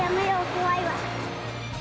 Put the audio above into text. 怖いわ。